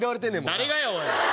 誰がやおい！